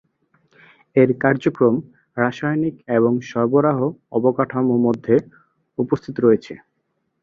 এর কার্যক্রম রাসায়নিক এবং সরবরাহ অবকাঠামো মধ্যে উপস্থিত রয়েছে।